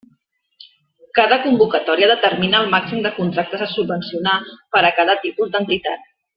Cada convocatòria determina el màxim de contractes a subvencionar per a cada tipus d'entitat.